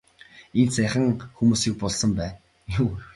Энд саяхан хүмүүсийг булсан байна.